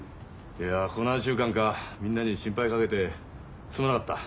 いやここ何週間かみんなに心配かけてすまなかった。